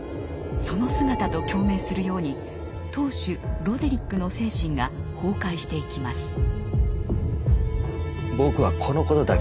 その姿と共鳴するように当主ロデリックの精神が崩壊していきます。